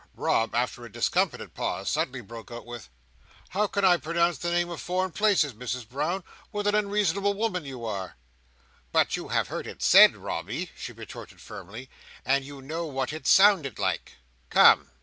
Rob, after a discomfited pause, suddenly broke out with, "How can I pronounce the names of foreign places, Mrs Brown? What an unreasonable woman you are!" "But you have heard it said, Robby," she retorted firmly, "and you know what it sounded like. Come!"